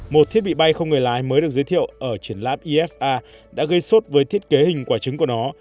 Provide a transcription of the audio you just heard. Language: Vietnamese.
một thiết bị bay không người lái mới được giới thiệu ở triển lãm ifa đã gây sốt với thiết kế hình quả trứng của nó